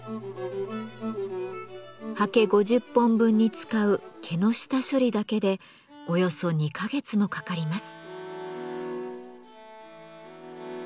刷毛５０本分に使う毛の下処理だけでおよそ２か月もかかります。